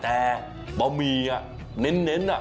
แต่เป้าหมี่แบบนี้เคะ